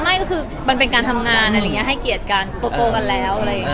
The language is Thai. ไม่ค่ะก็คือมันเป็นการทำงานอย่างงี้ให้เกียจการโปรโกรกันแล้ว